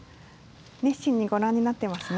熱心にご覧になってますね。